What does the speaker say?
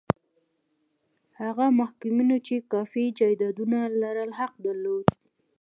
هغو محکومینو چې کافي جایدادونه لرل حق درلود.